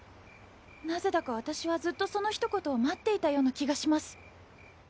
なぜだかわたしはずっとその一言を待っていたような気がします。